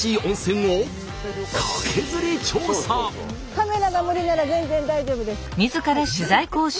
カメラが無理なら全然大丈夫です。